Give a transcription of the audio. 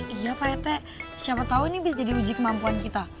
iya pak rete siapa tahu ini bisa jadi uji kemampuan kita